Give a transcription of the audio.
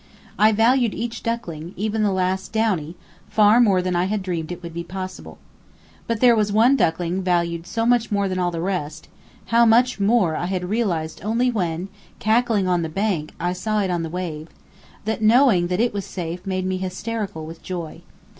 I valued each duckling, even the least downy, far more than I had dreamed it would be possible. But there was one duckling valued so much more than all the rest (how much more I had realized only when, cackling on the bank, I saw it on the wave) that knowing it was safe made me hysterical with joy.